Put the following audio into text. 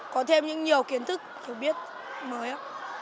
có thêm những nhiều kiến thức kiểu biết mới ạ